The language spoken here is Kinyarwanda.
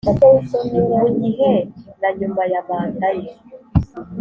Mu gihe na nyuma ya manda ye